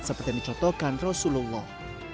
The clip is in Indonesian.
seperti yang dicotokkan rasulullah